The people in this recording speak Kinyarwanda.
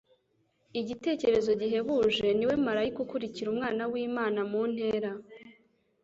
Igitekerezo gihebuje: ni we maraika ukurikira Umwana w'Imana mu ntera